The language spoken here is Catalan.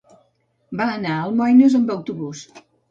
Va anar a Almoines amb autobús.